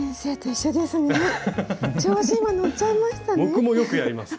僕もよくやります。